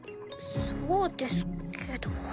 そうですけど。